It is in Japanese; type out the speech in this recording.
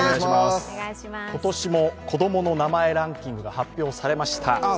今年も子供の名前ランキングが発表されました。